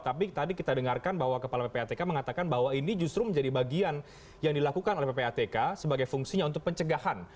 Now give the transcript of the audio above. tapi tadi kita dengarkan bahwa kepala ppatk mengatakan bahwa ini justru menjadi bagian yang dilakukan oleh ppatk sebagai fungsinya untuk pencegahan